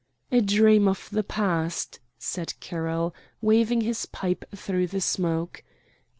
"A dream of the past," said Carroll, waving his pipe through the smoke.